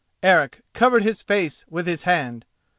Eric covered his face with his hand.